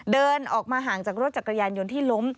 เดินออกมาห่างจากรถจักรยานยนต์ที่ล้ม